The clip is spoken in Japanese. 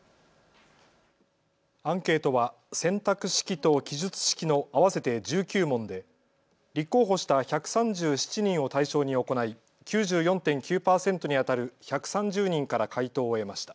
アンケートは選択式と記述式の合わせて１９問で立候補した１３７人を対象に行い９４．９％にあたる１３０人から回答を得ました。